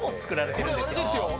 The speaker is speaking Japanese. これあれですよ！